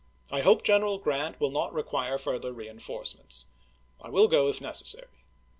.. I hope General Grant will not re quire further reenforcements. I will go if neces sary."